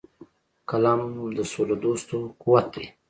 قلم د سولهدوستو قوت دی